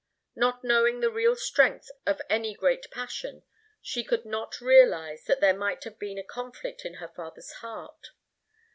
Not knowing the real strength of any great passion, she could not realize that there might have been a conflict in her father's heart.